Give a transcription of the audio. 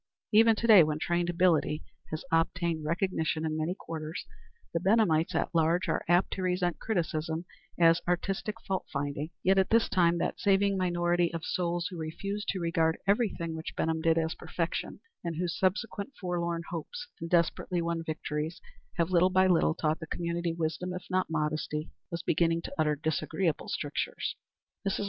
Even to day, when trained ability has obtained recognition in many quarters, the Benhamites at large are apt to resent criticism as aristocratic fault finding; yet at this time that saving minority of souls who refused to regard everything which Benham did as perfection, and whose subsequent forlorn hopes and desperately won victories have little by little taught the community wisdom, if not modesty, was beginning to utter disagreeable strictures. Mrs.